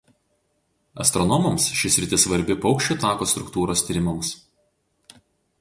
Astronomams ši sritis svarbi Paukščių Tako struktūros tyrimams.